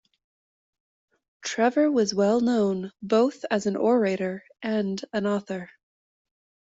Trevor was well known both as an orator and an author.